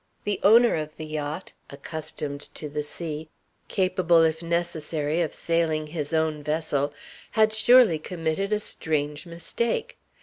The owner of the yacht accustomed to the sea, capable, if necessary, of sailing his own vessel had surely committed a strange mistake!